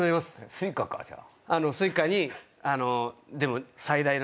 Ｓｕｉｃａかじゃあ。